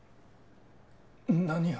何を。